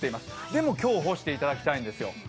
でも、今日干していただきたいんですよ。